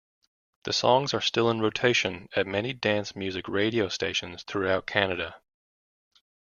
The songs are still in rotation at many dance music radio stations throughout Canada.